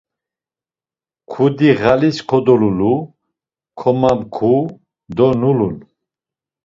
Kudi ğalis kodululu, komamku do nulun...